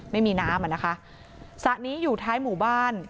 ไม่มีน้ำอ่ะนะคะสระนี้อยู่ท้ายหมู่บ้าน